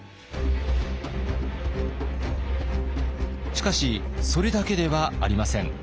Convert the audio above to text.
しかしそれだけではありません。